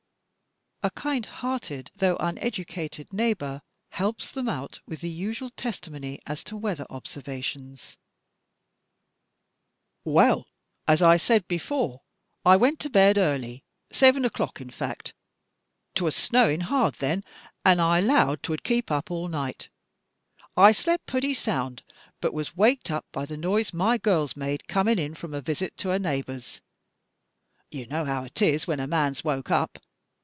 A kind hearted though uneducated neighbor helps them out with the usual testimony as to weather observations: "Well, as I said before, I went ter bed airly, seven o'clock in fact; 't was snowin' hard then, an' I 'lowed 't would keep up all night; I slept purty sound but was waked up by the noise my girls made 1 86 THE TECHNIQUE OF THE MYSTERY STORY comin' in from a visit ter a neighbor's. You know how 't is when a man's woke up?